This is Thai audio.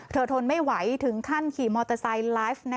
ทนไม่ไหวถึงขั้นขี่มอเตอร์ไซค์ไลฟ์